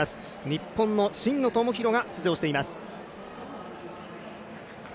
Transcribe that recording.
日本の真野友博が出場しています。